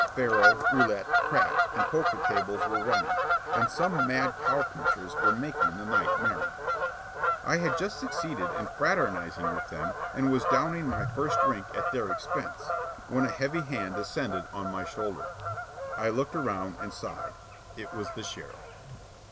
Faro, roulette, craps, and poker tables were running, and some mad cow punchers were making the night merry. I had just succeeded in fraternizing with them and was downing my first drink at their expense, when a heavy hand descended on my shoulder. I looked around and sighed. It was the sheriff.